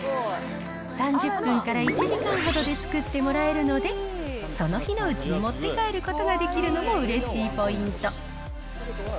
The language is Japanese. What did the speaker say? ３０分から１時間ほどで作ってもらえるので、その日のうちに持って帰ることができるのもうれしいポイント。